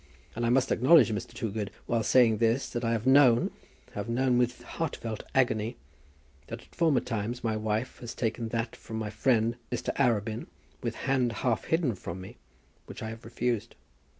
And I must acknowledge, Mr. Toogood, while saying this, that I have known, have known with heartfelt agony, that at former times my wife has taken that from my friend Mr. Arabin, with hand half hidden from me, which I have refused.